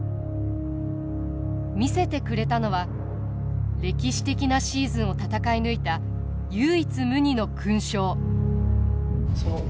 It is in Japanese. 見せてくれたのは歴史的なシーズンを戦い抜いた唯一無二の勲章。